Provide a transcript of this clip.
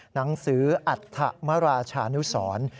หนังสืออัฐมราชานุสร